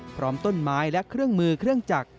พร้อมต้นไม้และเครื่องมือเครื่องจักร